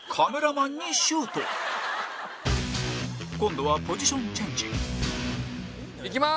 今度はポジションチェンジ松尾：いきます！